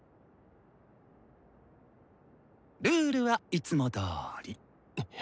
ルールはいつもどおり。